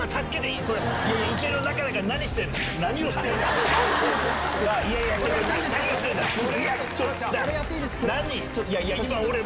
いやいや